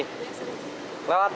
biasanya lewat sini